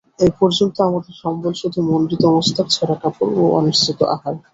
এ পর্যন্ত আমাদের সম্বল শুধু মুণ্ডিত মস্তক, ছেঁড়া কাপড় ও অনিশ্চিত আহার।